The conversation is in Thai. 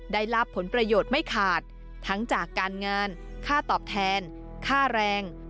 ได้รับผลประโยชน์ไม่ขาดทั้งจากการงานค่าตอบแทนค่าแรง